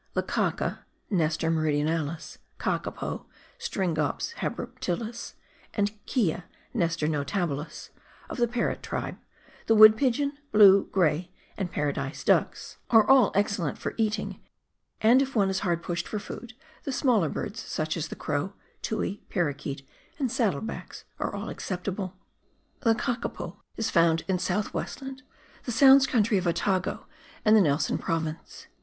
The kaka (Nestor meridionah's), kakapo (Sfringops hahrop tilus), and kea [Nestor notahilis) of the parrot tribe, the wood pigeon, blue, grey, and paradise ducks, are all excellent for * See Appendix, Note III. WESTLAND. 41 eating, and if one is hard pushed for food, the smaller birds, such as the crow, tui, paraquet, and saddle backs, are all acceptable, The kakapo is found in South Westland, the Sounds country of Otago, and the Nelson Province.